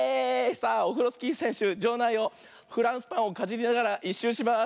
さあオフロスキーせんしゅじょうないをフランスパンをかじりながら１しゅうします。